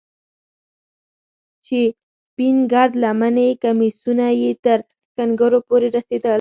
چې سپين گرد لمني کميسونه يې تر ښنگرو پورې رسېدل.